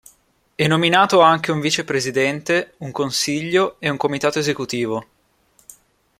È nominato anche un vicepresidente, un consiglio e un comitato esecutivo.